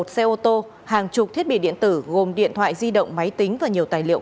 một xe ô tô hàng chục thiết bị điện tử gồm điện thoại di động máy tính và nhiều tài liệu